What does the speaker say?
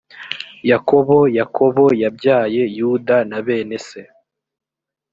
yakobo yakobo yabyaye yuda na bene se